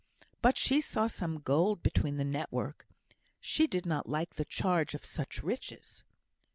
But she saw some gold between the net work; she did not like the charge of such riches.